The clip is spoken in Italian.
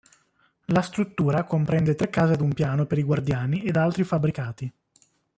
La struttura comprende tre case ad un piano per i guardiani ed altri fabbricati.